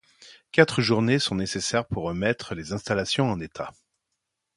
Quatre journées sont nécessaires pour remettre les installations en état.